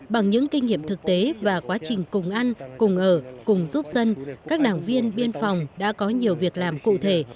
bằng những kinh nghiệm thực tế và quá trình cùng ăn cùng ở cùng giúp dân các đảng viên biên phòng đã có nhiều việc làm cụ thể